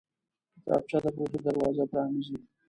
کتابچه د پوهې دروازه پرانیزي